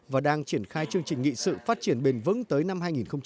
và đang triển khai chương trình nghị sự phát triển bền vững tới năm hai nghìn ba mươi